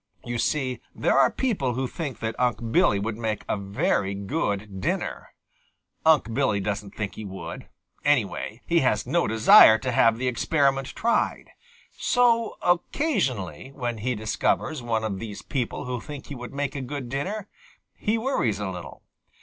You see, there are people who think that Unc' Billy would make a very good dinner. Unc' Billy doesn't think he would. Anyway, he has no desire to have the experiment tried. So occasionally, when he discovers one of these people who think he would make a good dinner, he worries a little.